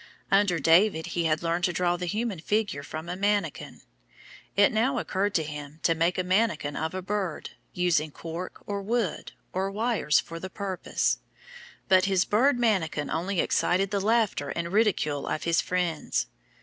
Under David he had learned to draw the human figure from a manikin. It now occurred to him to make a manikin of a bird, using cork or wood, or wires for the purpose. But his bird manikin only excited the laughter and ridicule of his friends.